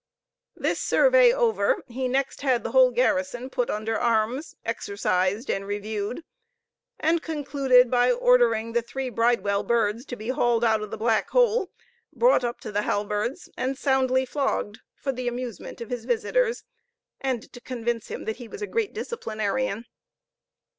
This survey over, he next had the whole garrison put under arms, exercised, and reviewed, and concluded by ordering the three Bridewell birds to be hauled out of the black hole, brought up to the halberds, and soundly flogged for the amusement of his visitors, and to convince him that he was a great disciplinarian.